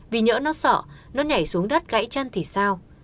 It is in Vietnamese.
vì nhỡ nó sợ nó nhảy xuống đất gãy chân thì sao